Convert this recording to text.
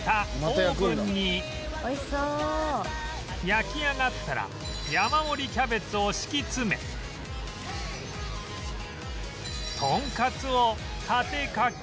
焼き上がったら山盛りキャベツを敷き詰めとんかつを立てかけ